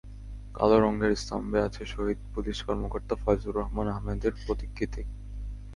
কালো রঙের স্তম্ভে আছে শহীদ পুলিশ কর্মকর্তা ফয়জুর রহমান আহমেদের প্রতিকৃতি।